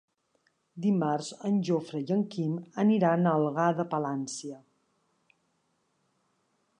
Dimarts en Jofre i en Quim aniran a Algar de Palància.